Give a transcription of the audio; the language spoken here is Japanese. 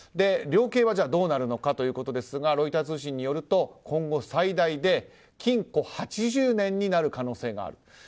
量刑はどうなるのかですがロイター通信によると今後、最大で禁錮８０年になる可能性があると。